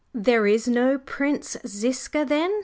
"There is no Prince Ziska then?"